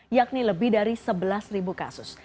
yakni lebih dari sebelas kasus